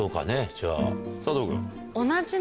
じゃあ佐藤君。